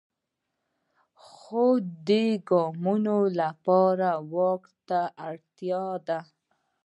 خو د دې ګامونو لپاره واک ته اړتیا ده.